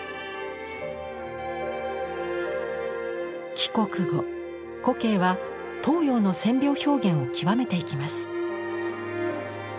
帰国後古径は東洋の線描表現をきわめていきます。